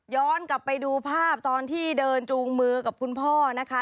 กลับไปดูภาพตอนที่เดินจูงมือกับคุณพ่อนะคะ